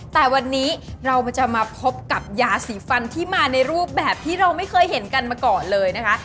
แต่วันนี้เราจะมาพบกับยาสีฟันที่มาในรูปแบบที่เราไม่เคยเห็นกันมาก่อนเลยนะคะ